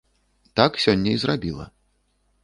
Так сёння і зрабіла.